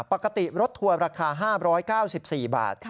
ปกติรถทัวร์ราคา๕๙๔บาท